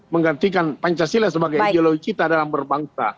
menggantikan pancasila sebagai ideologi kita dalam berbangsa